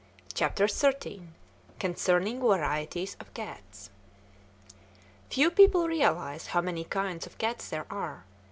CHAPTER XIII CONCERNING VARIETIES OF CATS Few people realize how many kinds of cats there are.